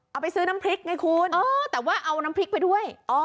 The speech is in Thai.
เอาไปซื้อน้ำพริกไงคุณแต่ว่าเอาน้ำพริกไปด้วย